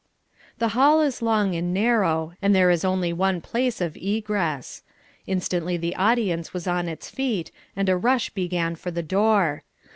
The hall is long and narrow, and there is only one place of egress. Instantly the audience was on its feet, and a rush began for the door.